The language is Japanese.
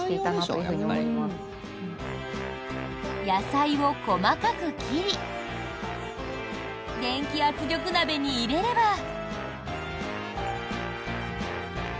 野菜を細かく切り電気圧力鍋に入れれば。